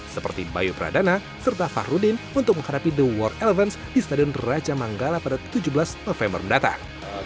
seperti bayu pradana serta fahrudin untuk menghadapi the war elevance di stadion raja manggala pada tujuh belas november mendatang